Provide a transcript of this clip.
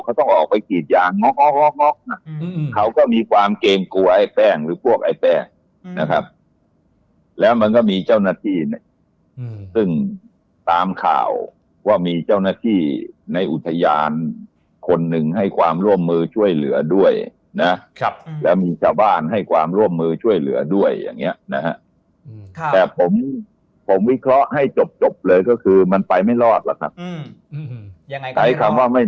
เขาต้องออกไปกีดยางนอก